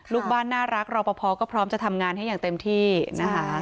ลูกบ้านน่ารักรอปภก็พร้อมจะทำงานให้อย่างเต็มที่นะคะ